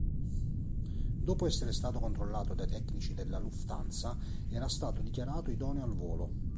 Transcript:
Dopo essere stato controllato dai tecnici della Lufthansa era stato dichiarato idoneo al volo.